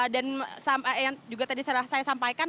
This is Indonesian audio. dan yang juga tadi saya sampaikan